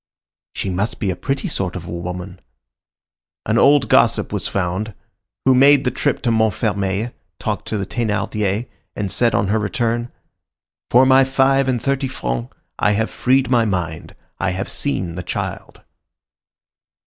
"She must be a pretty sort of a woman." An old gossip was found, who made the trip to Montfermeil, talked to the Thénardiers, and said on her return: "For my five and thirty francs I have freed my mind. I have seen the child."